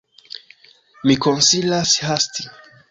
Mi konsilas hasti.